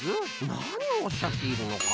何をおっしゃっているのか。